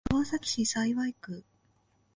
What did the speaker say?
川崎市幸区